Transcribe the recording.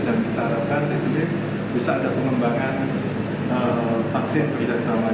dan kita harapkan di sini bisa ada pengembangan vaksin kerjasamanya ini